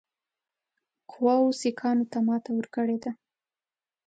قواوو سیکهانو ته ماته ورکړې ده.